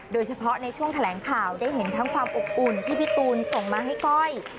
โดยเฉพาะในช่วงแถลงข่าวได้เห็นทั้งความอบอุ่นที่พี่ตูนส่งมาให้ก้อย